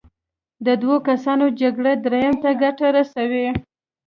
د دوو کسانو جګړه دریم ته ګټه رسوي.